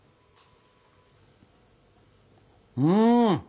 うん！